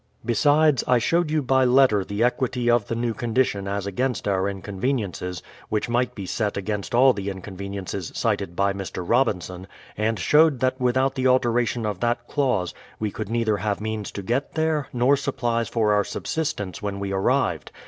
Besides, I showed you by letter the equity of the new condition as against our inconveniences, which might be set against all the inconveniences cited by Mr. Robinson, and showed that without the alteration of that clause, we could neither have means to get there, nor supplies for our subsistence when we arrived.